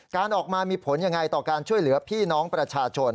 การออกมามีผลยังไงต่อการช่วยเหลือพี่น้องประชาชน